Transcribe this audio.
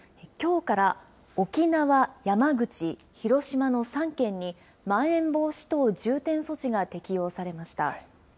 きょうから沖縄、山口、広島の３県に、まん延防止等重点措置が適用されました。